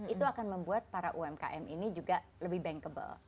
itu akan membuat para umkm ini juga lebih bankable